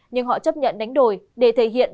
nhưng họ chấp nhận đánh đổi để thể hiện